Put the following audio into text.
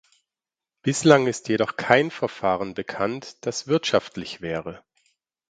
Bislang ist jedoch kein Verfahren bekannt, das wirtschaftlich wäre.